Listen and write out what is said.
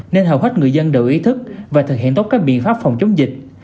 nên hầu hết người dân đều ý thức và thực hiện tốt các biện pháp phòng chống dịch